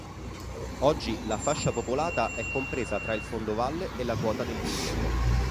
Oggi la fascia popolata è compresa tra il fondovalle e la quota del vigneto.